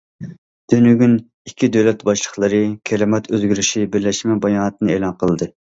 تۈنۈگۈن ئىككى دۆلەت باشلىقلىرى كىلىمات ئۆزگىرىشى بىرلەشمە باياناتىنى ئېلان قىلدى.